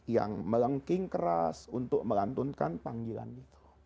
yang melengking keras untuk melantunkan panggilan itu